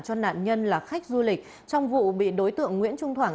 cho nạn nhân là khách du lịch trong vụ bị đối tượng nguyễn trung thoảng